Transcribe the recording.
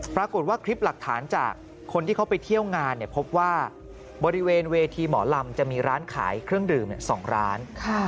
ปรากฏว่าคลิปหลักฐานจากคนที่เขาไปเที่ยวงานพบว่าบริเวณเวทีหมอลำจะมีร้านขายเครื่องดื่ม๒ร้าน